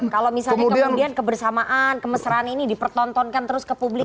kalau misalnya kemudian kebersamaan kemesraan ini dipertontonkan terus ke publik